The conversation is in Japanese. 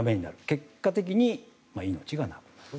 結果的に命がなくなると。